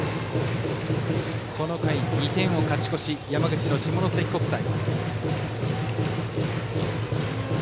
この回、２点を勝ち越し山口の下関国際。